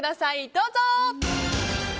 どうぞ。